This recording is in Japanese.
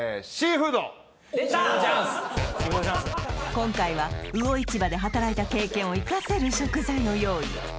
今回は魚市場で働いた経験を生かせる食材を用意！